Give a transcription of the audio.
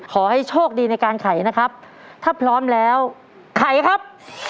ขอให้โชคดีในการไขนะครับถ้าพร้อมแล้วไขครับ